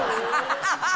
ハハハハ！